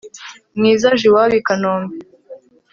Mwiza aje iwabo i kanombe